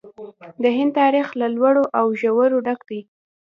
د هند تاریخ له لوړو او ژورو ډک دی.